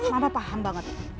mama paham banget